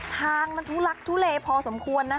ทางมันทุลักษณ์ทุเลพอสมควร